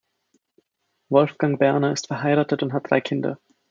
Wolfgang Berner ist verheiratet und hat drei Kinder.